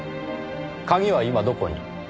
鍵は今どこに？